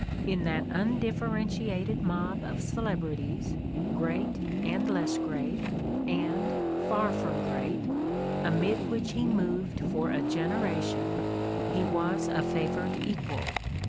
In that undifferentiated mob of celebrities, great, and less great, and far from great, amid which he moved for Mark Twain's Despair 21 a generation, he was a favored equal.